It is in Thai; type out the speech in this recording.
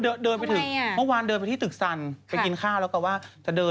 โหเมื่อวานเดินไปที่ตึกสรรไปกินข้าวแล้วก็ว่าจะเดิน